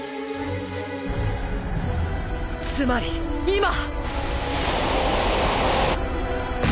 つまり今。